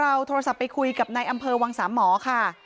เราโทรศัพท์ไปคุยกับนายอำเภอวังสามหมอค่ะ